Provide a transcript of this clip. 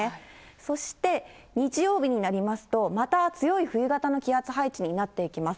そして、日曜日になりますと、また強い冬型の気圧配置になっていきます。